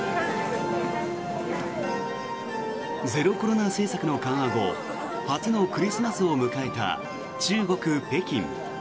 ゼロコロナ政策の緩和後初のクリスマスを迎えた中国・北京。